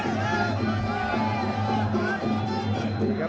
จัดสีบด้วยครับจัดสีบด้วยครับ